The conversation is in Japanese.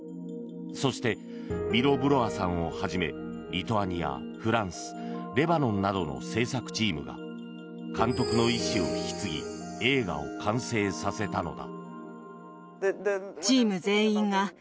そして、ビロブロワさんをはじめリトアニア、フランスレバノンなどの制作チームが監督の遺志を引き継ぎ映画を完成させたのだ。